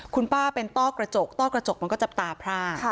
คุณป้าเป็นต้อกระจกต้อกระจกมันก็จับตาพร่า